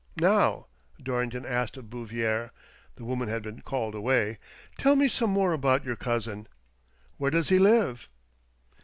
" Now," Dorrington asked of Bouvier (the woman had been called away), "tell me some more about your cousin. Where does he live?